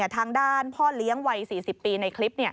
ทางด้านพ่อเลี้ยงวัย๔๐ปีในคลิป